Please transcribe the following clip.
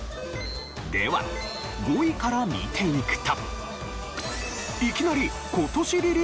では５位から見ていくと。